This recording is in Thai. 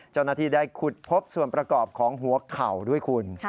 เจ้าหน้าที่ได้ขุดพบส่วนประกอบของหัวเข่าด้วยคุณ